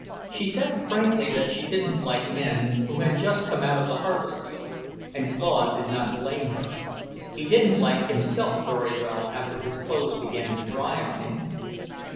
She said frankly that she didn't like men who had just come out of the harvest field, and Claude did not blame her. He didn't like himself very well after his clothes began to dry on him.